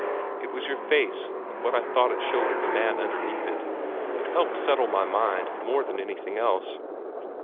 It was your face, and what I thought it showed of the man underneath it, that helped settle my mind more than anything else.